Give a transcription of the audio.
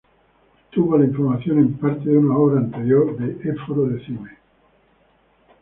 Obtuvo la información en parte de una obra anterior, de Éforo de Cime.